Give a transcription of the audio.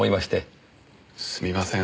すみません